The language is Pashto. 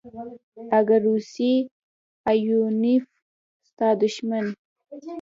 اگه روسی ايوانوف ستا دښمن.